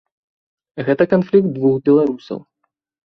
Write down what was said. Гэта канфлікт двух беларусаў.